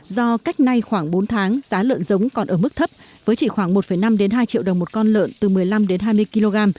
do cách nay khoảng bốn tháng giá lợn giống còn ở mức thấp với chỉ khoảng một năm hai triệu đồng một con lợn từ một mươi năm đến hai mươi kg